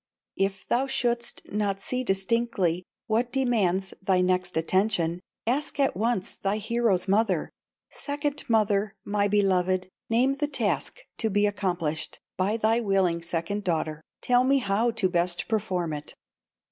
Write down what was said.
"If thou shouldst not see distinctly What demands thy next attention, Ask at once thy hero's mother: 'Second mother, my beloved, Name the task to be accomplished By thy willing second daughter, Tell me how to best perform it.